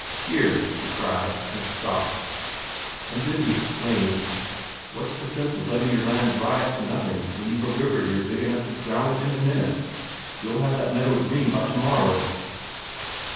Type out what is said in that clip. "Here!" he cried, and stopped. And then he explained: "Where's the sense of letting your land dry up to nothing when you've a river there big enough to drown it in a minute? We'll have, that meadow green by tomorrow!"